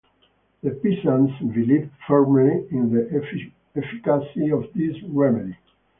The peasants believe firmly in the efficacy of this remedy.